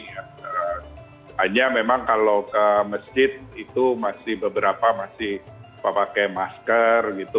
hanya memang kalau ke masjid itu masih beberapa masih pakai masker gitu